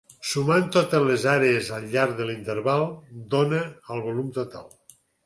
Sumant totes les àrees al llarg de l'interval dóna el volum total.